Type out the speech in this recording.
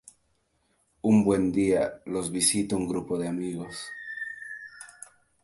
Un buen día los visita un grupo de amigos.